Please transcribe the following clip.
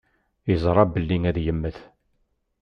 Yeẓra belli ad immet.